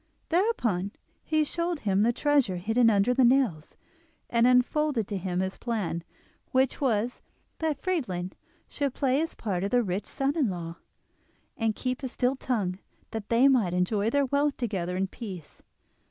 Thereupon he showed him the treasure hidden under the nails, and unfolded to him his plan, which was that Friedlin should play the part of the rich son in law, and keep a still tongue, that they might enjoy their wealth together in peace.